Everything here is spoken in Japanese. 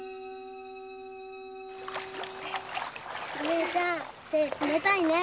姉ちゃん手冷たいね。